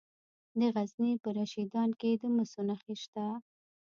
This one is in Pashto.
د غزني په رشیدان کې د مسو نښې شته.